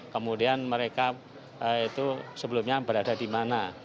kemudian mereka itu sebelumnya berada di mana